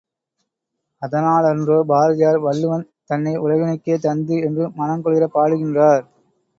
அதனாலன்றோ பாரதியார் வள்ளுவன் தன்னை உலகினுக்கே தந்து என்று மனங்குளிரப் பாடுகின்றார்.